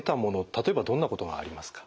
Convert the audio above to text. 例えばどんなことがありますか？